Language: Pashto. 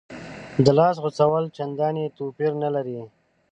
د لاس غوڅول چندانې توپیر نه لري.